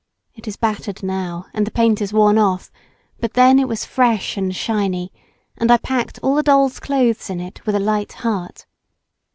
It is battered now and the paint is worn off; but then it was fresh and shiny and I packed all the doll's clothes in it with a light heart.